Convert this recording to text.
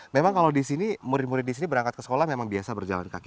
memang kalau di sini murid murid di sini berangkat ke sekolah memang biasa berjalan kaki